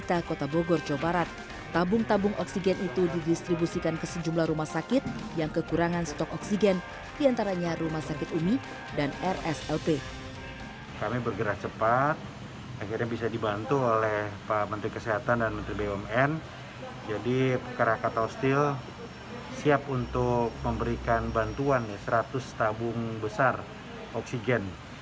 seratus tabung besar oksigen